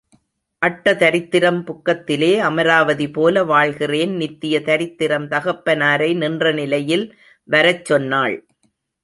அட்டதரித்திரம் புக்ககத்திலே, அமராவதி போல வாழ்கிறேன் நித்திய தரித்திரம் தகப்பனாரை நின்ற நிலையில் வரச்சொன்னாள்.